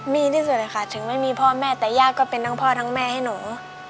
มีที่สุดเลยค่ะถึงไม่มีพ่อแม่แต่ญาติก็เป็นทั้งพ่อทั้งแม่ให้หนู